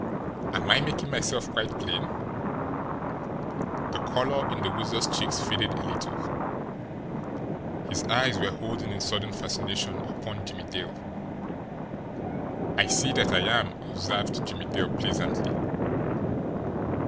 Am I making myself quite plain?" The colour in the Weasel's cheeks faded a little his eyes were holding in sudden fascination upon Jimmie Dale. "I see that I am," observed Jimmie Dale pleasantly.